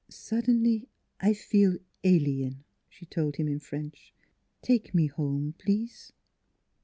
" Suddenly I feel alien," she told him in French. " Take me home, please."